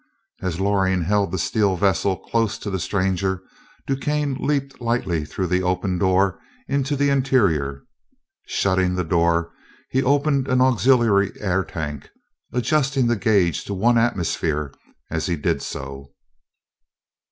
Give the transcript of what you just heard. As Loring held the steel vessel close to the stranger, DuQuesne leaped lightly through the open door into the interior. Shutting the door, he opened an auxiliary air tank, adjusting the gauge to one atmosphere as he did so.